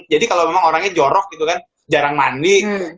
jadi kalau memang orangnya jorok gitu kan jarang mandi